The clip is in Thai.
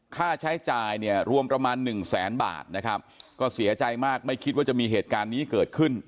ค่าใช้จ่ายเนี่ยรวมประมาณหนึ่งแสนบาทนะครับก็เสียใจมากไม่คิดว่าจะมีเหตุการณ์นี้เกิดขึ้น